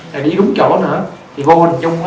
là đi đúng chỗ nữa thì vô hình chung